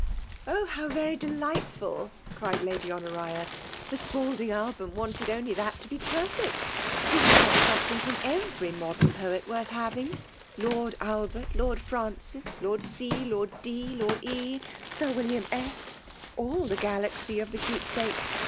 " Oh ! how very delightful !" cried I^dy Honoria. '' The Spalding album wanted only that to be perfect ! We have got something FEMALE DOMINATION. 197 fropi. every modem poet worth having. Lqrd Albert, Xx>rd Francis^ Lord C, Ix>rd D., Lord E., Sir William S., — all the galaxy of th^ Keepsake.